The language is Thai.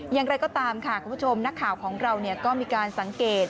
อย่างไรก็ตามค่ะคุณผู้ชมนักข่าวของเราก็มีการสังเกต